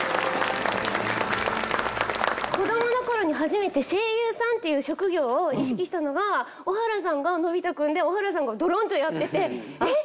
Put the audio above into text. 子どもの頃に初めて声優さんっていう職業を意識したのが小原さんがのび太君で小原さんがドロンジョやっててえっ！